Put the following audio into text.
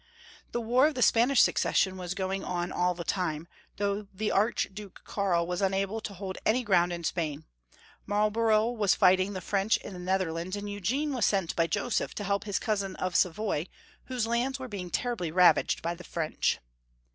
The war of the Spanish succession was going on all the time, though the Archduke Karl was unable to hold any ground in Spain; Marlborough was fighting the French in the Netherlands, and Eugene 380 Young Folks'^ History of Germany. was sent by Joseph to help his cousin of Savoy, whose lands were being terribly ravaged by the French.